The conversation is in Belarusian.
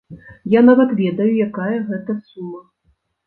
Я нават ведаю, якая гэта сума.